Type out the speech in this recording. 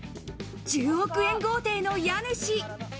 １０億円豪邸の家主。